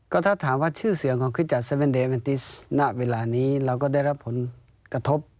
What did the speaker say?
ก็ถ้าถามว่าชื่อเสียงของคริสจัดเซเว่นเดเวนติสณเวลานี้เราก็ได้รับผลกระทบ